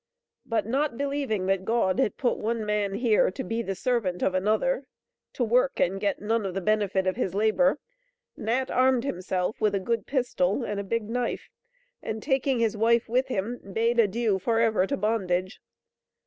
But not believing that God had put one man here to "be the servant of another to work," and get none of the benefit of his labor, Nat armed himself with a good pistol and a big knife, and taking his wife with him, bade adieu forever to bondage.